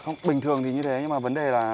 không bình thường thì như thế nhưng mà vấn đề là